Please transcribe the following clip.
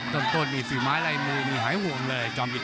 ตอนหนีสิ้นไม้ไรมือหนีไหวห่วงเลยจอมกิติ